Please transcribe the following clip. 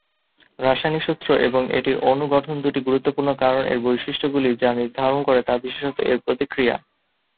রাসায়নিক সূত্র এবং একটি অণুর গঠন দুটি গুরুত্বপূর্ণ কারণ এর বৈশিষ্ট্যগুলি যা নির্ধারণ করে, তা বিশেষত এর প্রতিক্রিয়া।